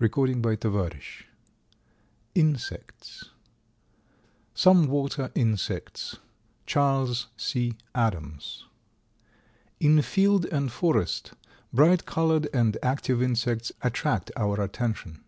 [Illustration: Page decoration] INSECTS SOME WATER INSECTS. CHARLES C. ADAMS. In field and forest bright colored and active insects attract our attention.